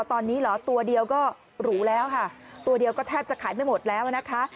ตอนนี้เหรอตัวเดียวก็หรูแล้วค่ะตัวเดียวก็แทบจะขายไม่หมดแล้วนะคะ